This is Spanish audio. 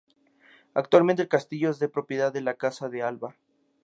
Actualmente el castillo es de propiedad de la Casa de Alba.